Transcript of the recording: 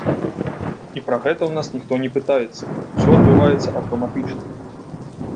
І пра гэта ў нас ніхто не пытаецца, усё адбываецца аўтаматычна.